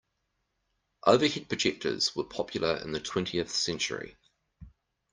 Overhead projectors were popular in the twentieth century.